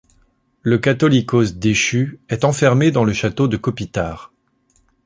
Le Catholicos déchu est enfermé dans le château de Kopitar.